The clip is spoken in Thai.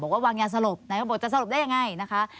ว่าวางยาสลบนายก็บอกจะสลบได้ยังไงนะคะ